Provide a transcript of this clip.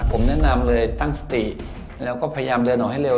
ผมแนะนำเลยตั้งสติแล้วก็พยายามเดินออกให้เร็